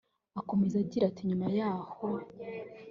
Akomeza gira ati “Nyuma y’aho